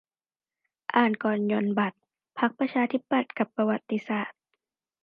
อ่านก่อนหย่อนบัตร พรรคประชาธิปัตย์ กับประวัติศาสตร์